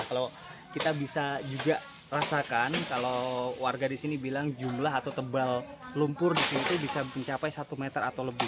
kalau kita bisa juga rasakan kalau warga di sini bilang jumlah atau tebal lumpur di sini itu bisa mencapai satu meter atau lebih